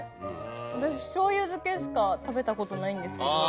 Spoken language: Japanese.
私しょうゆ漬けしか食べたことないんですけど。